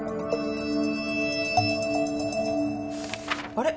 あれ？